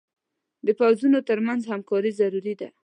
د پوځونو تر منځ همکاري ضروري ده.